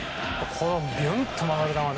ビュンと曲がる球は